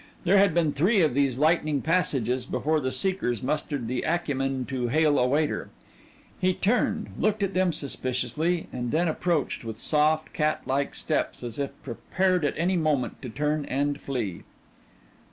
There had been three of these lightning passages before the seekers mustered the acumen to hail a waiter. He turned, looked at them suspiciously, and then approached with soft, catlike steps, as if prepared at any moment to turn and flee.